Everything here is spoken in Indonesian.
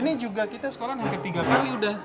ini juga kita sekolahan hampir tiga kali udah